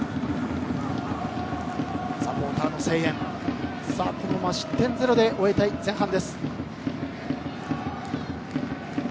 サポーターの声援このまま失点ゼロで終えたい前半。